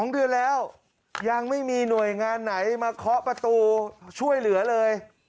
๒เดือนแล้วยังไม่มีหน่วยงานไหนมาเคาะประตูช่วยเหลือเลย